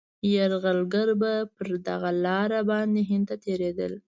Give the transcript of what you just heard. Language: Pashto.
یرغلګر به پر دغه لاره باندي هند ته تېرېدل.